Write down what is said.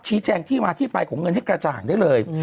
แจ้งที่มาที่ไปของเงินให้กระจ่างได้เลย